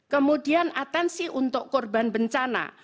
kemudian atensi untuk korban bencana